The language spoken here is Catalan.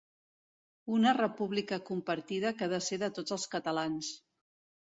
Una República compartida que ha de ser de tots els catalans.